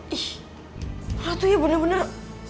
ih ratunya bener bener